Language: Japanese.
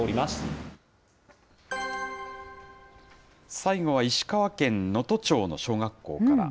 最後は石川県能登町の小学校から。